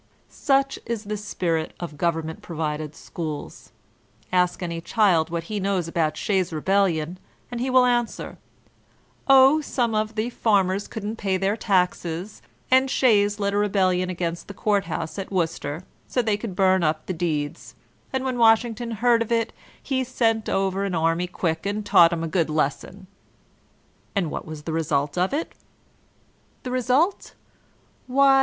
Such is the spirit of government provided . schools. Ask any child what he knows about Shays's re bellion, and he will answer, ''Oh, some of the farmers couldn't pay their taxes, and Shays led a rebellion against the court house at Worcester, so they could bum up the deeds ; and when Washington heard of it he sent over an army quick and taught 'em a good lesson'* — ^"And what was the result of it?" "The result?